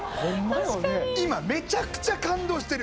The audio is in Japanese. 今めちゃくちゃ感動してる。